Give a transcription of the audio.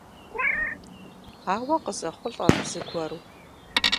Ауэ къызэхъулӀэрт зыгуэру.